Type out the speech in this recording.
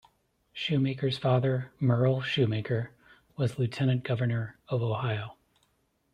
Shoemaker's father, Myrl Shoemaker, was Lieutenant Governor of Ohio.